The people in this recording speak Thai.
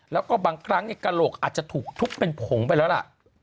แล้วก็บางครั้งกระโหลกอาจจะถูกทุบเป็นผงไปแล้วล่ะ